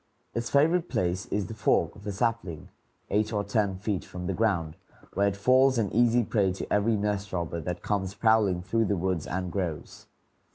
Its favorite place is the fork of a sapling, eight or ten feet from the ground, where it falls an easy prey to every nest robber that comes prowling through the woods and groves.